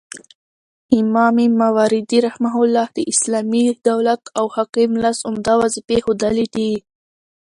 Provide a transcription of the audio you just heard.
امام ماوردي رحمه الله د اسلامي دولت او حاکم لس عمده وظيفي ښوولي دي